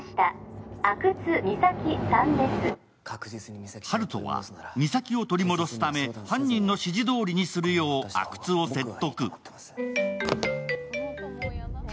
Ｔｗｉｔｔｅｒには温人は実咲を取り戻すため犯人の指示どおりにするよう阿久津を説得。